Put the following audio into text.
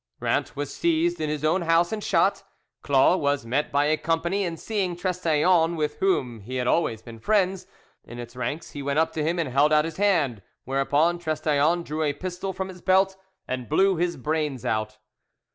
Rant was seized in his own house and shot. Clos was met by a company, and seeing Trestaillons, with whom he had always been friends, in its ranks, he went up to him and held out his hand; whereupon Trestaillons drew a pistol from his belt and blew his brains out.